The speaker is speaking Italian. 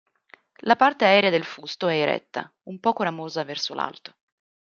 La parte aerea del fusto è eretta; un poco ramosa verso l'alto.